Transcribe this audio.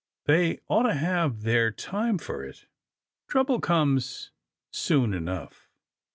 They ought to have their time for it. Trouble comes soon enough."